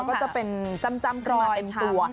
ก็จะเป็นจ้ำขึ้นมาเต็มตัว